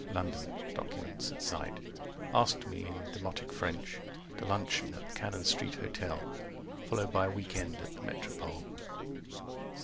London: documents at sight, Asked me in demotic French To luncheon at the Cannon Street Hotel Followed by a weekend at the Metropole.